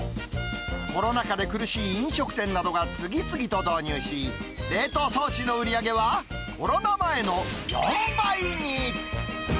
コロナ禍で苦しい飲食店などが次々と導入し、冷凍装置の売り上げはコロナ前の４倍に。